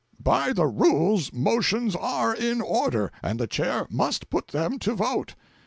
'By the Rules motions are in order, and the Chair must put them to vote.'